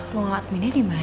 ruang adminnya dimana ya